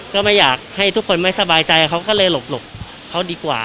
ก็ไม่อยากให้ทุกคนไม่สบายใจเขาก็เลยหลบเขาดีกว่า